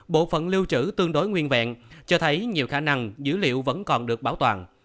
bộ phận lưu trữ tương đối nguyên vẹn cho thấy nhiều khả năng dữ liệu vẫn còn được bảo toàn